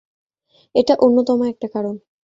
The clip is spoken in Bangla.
এটা অন্যতম একটা কারণ।